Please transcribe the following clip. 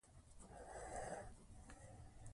که تاسو د فعالیت پیل خوندور کړئ، دوام به یې اسانه شي.